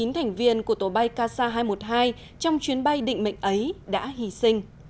chín thành viên của tổ bay kasa hai trăm một mươi hai trong chuyến bay định mệnh ấy đã hy sinh